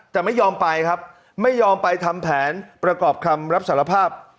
แต่ไม่ยอมไปครับไม่ยอมไปทำแผนประกอบคำรับสารภาพ